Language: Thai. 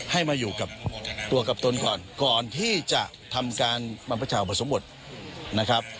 ให้มาอยู่กับตัวกับตนก่อนก่อนที่จะทำการบรรพเจ้าอุปสมบทนะครับ